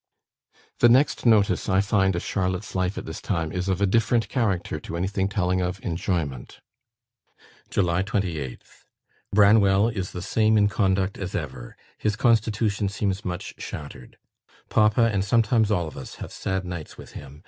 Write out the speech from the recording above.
The next notice I find of Charlotte's life at this time is of a different character to anything telling of enjoyment. "July 28th. "Branwell is the same in conduct as ever. His constitution seems much shattered. Papa, and sometimes all of us, have sad nights with him.